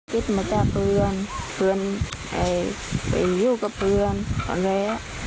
คิดมาแต่เพื่อนไปอยู่กับเพื่อนตอนนี้